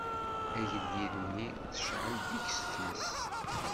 Agellid-nni, tecɛel deg-s tmes.